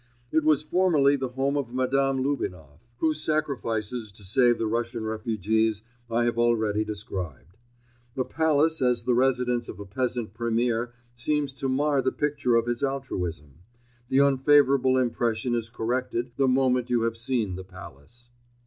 It was formerly the home of Madame Lubinoff, whose sacrifices to save the Russian refugees I have already described. A palace as the residence of a peasant Premier seems to mar the picture of his altruism; the unfavorable impression is corrected the moment you have seen the palace.